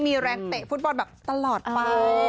ตั้งแต่ฟุตบอลแบบตลอดไป